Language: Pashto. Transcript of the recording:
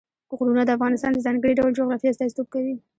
غرونه د افغانستان د ځانګړي ډول جغرافیه استازیتوب کوي.